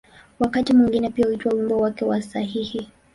Wakati mwingine pia huitwa ‘’wimbo wake wa sahihi’’.